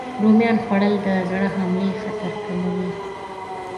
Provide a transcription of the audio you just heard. رومیان خوړل د زړه حملې خطر کموي.